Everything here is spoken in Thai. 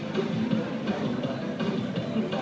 เตะยังไม่๑๕รูปเลยนะ